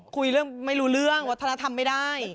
คุยเรื่องไม่รู้เรื่องวัฒนธรรมไม่ได้